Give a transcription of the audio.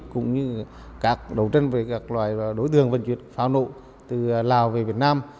cũng như các đấu tranh về các loài đối tượng vận chuyển pháo nộ từ lào về việt nam